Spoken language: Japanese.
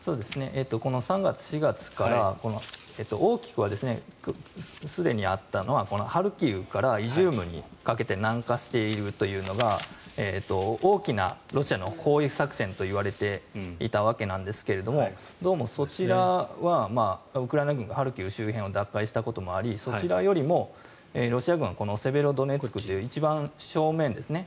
この３月、４月から大きくはすでにあったのはこのハルキウからイジュームにかけて南下しているというのが大きなロシアの攻撃作戦と言われていたわけなんですがどうもそちらはウクライナ軍がハルキウ周辺を奪回したこともありそちらよりもロシア軍はこのセベロドネツクという一番正面ですね